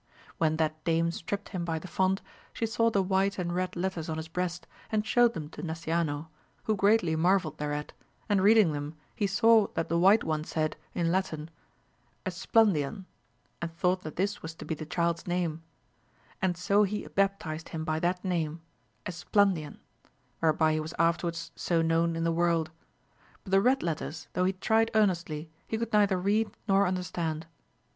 When that dame stript him by the font, she saw the white and red letters on his breast, and shewed them to Nasciano, who greatly marvelled thereat, and reading them he saw that the white one said, in Latin, Esplandian, and thought that this was to be the child's name ; and so he baptized him by that name, Esplandian, whereby he was afterwards so known in the world. But the red letters, though he tried earnestly, he could neither read nor understand.